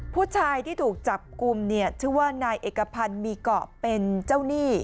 ผู้ชายที่ถูกจับกลุ่มเนี่ยชื่อว่านายเอกพันธ์มีเกาะเป็นเจ้าหนี้